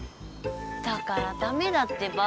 だからダメだってば。